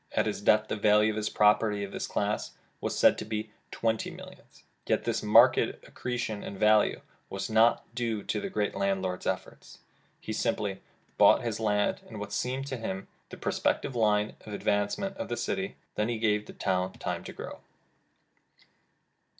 At his death the value of his property of this class, was said to be twenty millions. Yet this marked accretion in value was not due to the great landlord's efforts. He simply bought his land in what seemed to him the pros pective line of advance of the city. Then he gave the town time to grow.